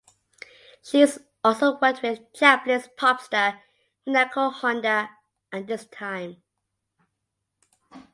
Sheets also worked with Japanese pop star Minako Honda at this time.